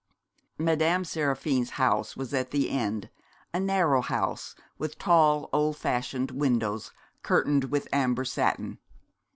Madame Seraphine's house was at the end, a narrow house, with tall old fashioned windows curtained with amber satin.